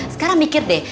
sekarang mikir deh